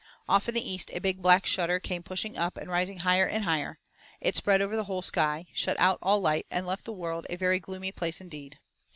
Off in the east a big black shutter came pushing up and rising higher and higher; it spread over the whole sky, shut out all light and left the world a very gloomy place indeed.